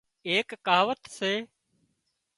ايڪ ڪهاوت سي